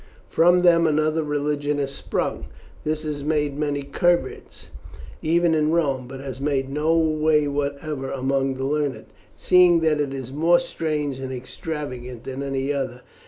From them another religion has sprung. This has made many converts, even in Rome, but has made no way whatever among the learned, seeing that it is more strange and extravagant than any other.